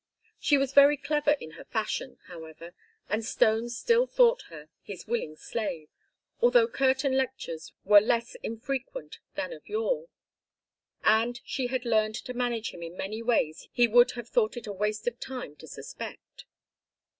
She was very clever in her fashion, however, and Stone still thought her his willing slave, although curtain lectures were less infrequent than of yore. And she had learned to manage him in many ways he would have thought it a waste of time to suspect.